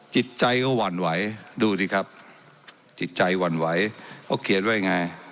จิตใจก็หวั่นไหวดูสิครับจิตใจหวั่นไหวเขาเขียนว่ายังไง